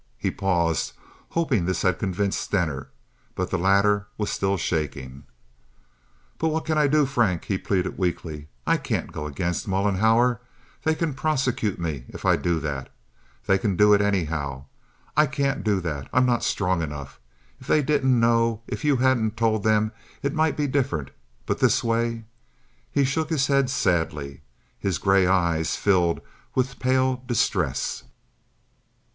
He paused, hoping this had convinced Stener, but the latter was still shaking. "But what can I do, Frank?" he pleaded, weakly. "I can't go against Mollenhauer. They can prosecute me if I do that. They can do it, anyhow. I can't do that. I'm not strong enough. If they didn't know, if you hadn't told them, it might be different, but this way—" He shook his head sadly, his gray eyes filled with a pale distress.